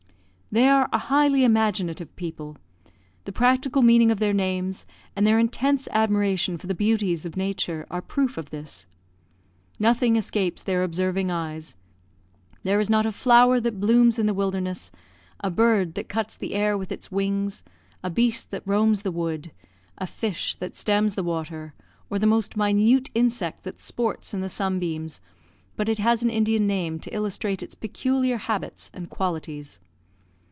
They are a highly imaginative people. The practical meaning of their names, and their intense admiration for the beauties of Nature, are proof of this. Nothing escapes their observing eyes. There is not a flower that blooms in the wilderness, a bird that cuts the air with its wings, a beast that roams the wood, a fish that stems the water, or the most minute insect that sports in the sunbeams, but it has an Indian name to illustrate its peculiar habits and qualities.